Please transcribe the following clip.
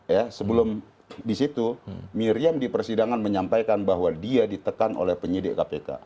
ya sebelum di situ miriam di persidangan menyampaikan bahwa dia ditekan oleh penyidik kpk